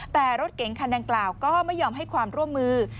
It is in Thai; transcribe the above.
แต่รถเก๋งคันดังกล่าวก็ไม่ยอมให้ความร่วมมือ